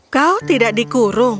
kau tidak dikurung